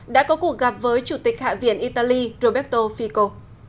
đã có cuộc gặp với chủ tịch hạ viện italy roberto fico